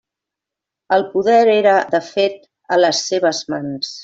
El poder era, de fet, a les seves mans.